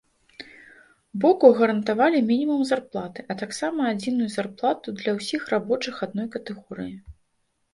Боку гарантавалі мінімум зарплаты, а таксама адзіную зарплату для ўсіх рабочых адной катэгорыі.